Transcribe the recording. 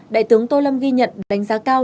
đại tướng tô lâm ghi nhận đánh giá cao